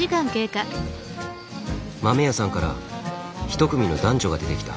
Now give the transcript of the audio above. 豆屋さんから一組の男女が出てきた。